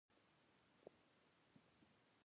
وروستی احتیاطي ګام د پوځي تاسیساتو تقویه کول وو.